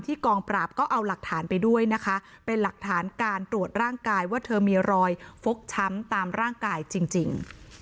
กองปราบก็เอาหลักฐานไปด้วยนะคะเป็นหลักฐานการตรวจร่างกายว่าเธอมีรอยฟกช้ำตามร่างกายจริง